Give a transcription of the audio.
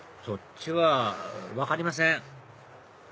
そっちは分かりません